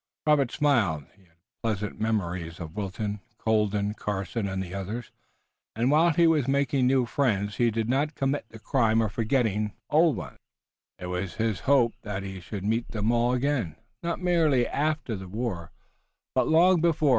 Robert smiled. He had pleasant memories of Wilton, Colden, Carson and the others, and while he was making new friends he did not commit the crime of forgetting old ones. It was his hope that he should meet them all again, not merely after the war, but long before.